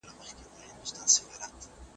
مينه ناك داستان تر جنګي کيسې په زړه پوري وي.